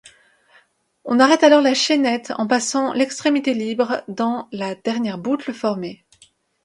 On arrête alors la chaînette en passant l'extrémité libre dans la dernière boucle formée.